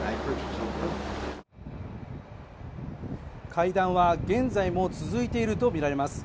会談は現在も続いているとみられます。